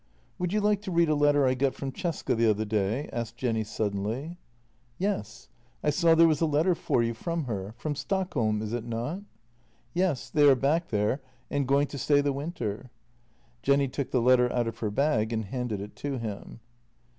" Would you like to read a letter I got from Cesca the other day? " asked Jenny suddenly. " Yes. I saw there was a letter for you from her — from Stockholm, is it not? " "Yes; they are back there and going to stay the winter." Jenny took the letter out of her bag and handed it to him.